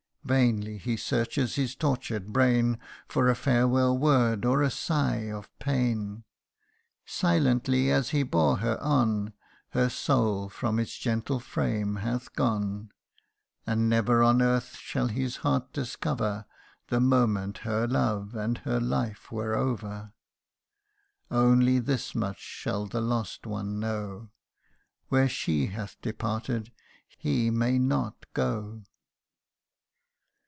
Vainly he searches his tortured brain For a farewell word, or a sigh of pain ; 158 THE UNDYING ONE. Silently as he bore her on, Her soul from its gentle frame hath gone, And never on earth shall his heart discover The moment her love and her life were over ; Only this much shall the lost one know Where she hath departed, he may not go